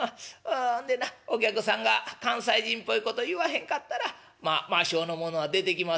んでなお客さんが関西人っぽいこと言わへんかったらまあ魔性のものは出てきませんで」。